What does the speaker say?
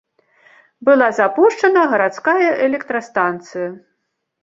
Была запушчана гарадская электрастанцыя.